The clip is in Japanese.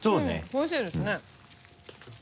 おいしいですね。